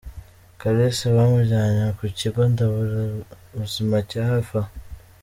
Kalisa bamujyanye ku kigo nderabuzima cya hafi aha.